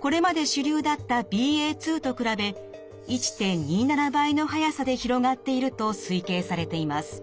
これまで主流だったＢＡ．２と比べ１．２７倍の速さで広がっていると推計されています。